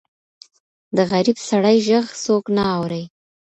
د غریب سړي ږغ څوک نه اوري.